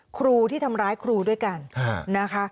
ครูที่ทำร้ายครูด้วยกันนะคะ